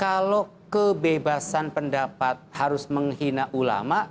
kalau kebebasan pendapat harus menghina ulama